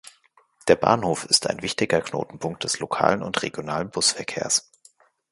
Der Bahnhof ist ein wichtiger Knotenpunkt des lokalen und regionalen Busverkehrs.